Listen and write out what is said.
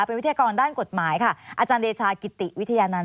เป็นวิทยากรด้านกฎหมายค่ะอาจารย์เดชากิติวิทยานันต